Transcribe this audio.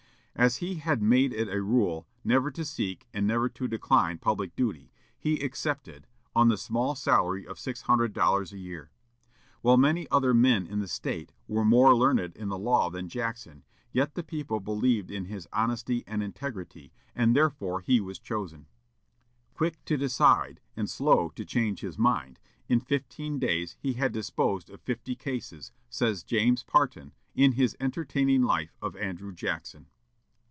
As he had made it a rule "never to seek and never to decline public duty," he accepted, on the small salary of six hundred dollars a year. While many other men in the State were more learned in the law than Jackson, yet the people believed in his honesty and integrity, and therefore he was chosen. Quick to decide and slow to change his mind, in fifteen days he had disposed of fifty cases, says James Parton, in his entertaining life of Andrew Jackson.